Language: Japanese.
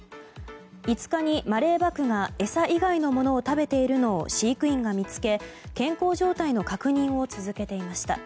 ５日にマレーバクが餌以外のものを食べているのを飼育員が見つけ健康状態の確認を続けていました。